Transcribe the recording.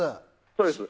そうです。